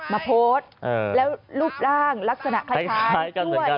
มาโพสต์แล้วรูปร่างลักษณะคล้ายกันด้วย